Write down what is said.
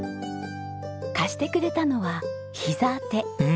貸してくれたのはひざ当て。